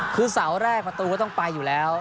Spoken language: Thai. คือเสาแรกประตูก็ต้องไปอยู่แล้ว